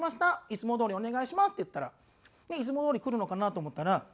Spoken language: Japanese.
「いつもどおりお願いします」って言ったらいつもどおりくるのかなと思ったら。